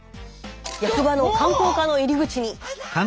役場の観光課の入り口に。